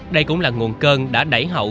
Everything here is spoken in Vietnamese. đây cũng là nguồn cơn đã đẩy hậu